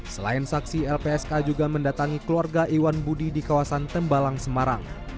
selain saksi lpsk juga mendatangi keluarga iwan budi di kawasan tembalang semarang